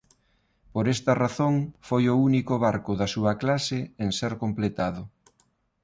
Por esta razón foi o único barco da súa clase en ser completado.